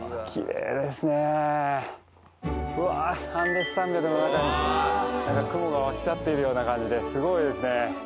うわアンデス山脈の中に雲が湧き立っているような感じですごいですね